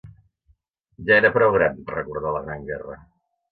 Jo era prou gran per recordar la Gran Guerra